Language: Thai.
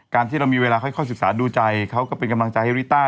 ที่เรามีเวลาค่อยศึกษาดูใจเขาก็เป็นกำลังใจให้ริต้า